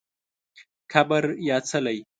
قبر یا څلی